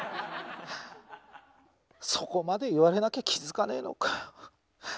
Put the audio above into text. そこまで言われなきゃ気付かねえのかよ。